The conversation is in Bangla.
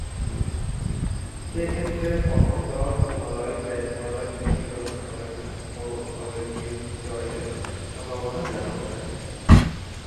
সেক্ষেত্রে প্রথম দল পুনরায় ব্যাট করার ঝুঁকি গ্রহণ করে না ও দলের জয়ের সম্ভাবনা ব্যাপক থাকে।